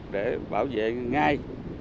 để bảo vệ ngay